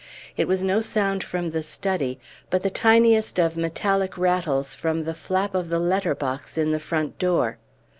It was no sound from the study, but the tiniest of metallic rattles from the flap of the letter box in the front door.